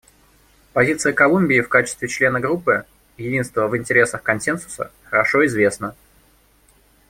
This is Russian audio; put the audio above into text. Позиция Колумбии в качестве члена группы «Единство в интересах консенсуса» хорошо известна.